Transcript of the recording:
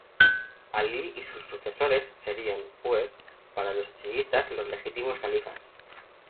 Alí y sus sucesores serían, pues, para los chiitas los legítimos califas.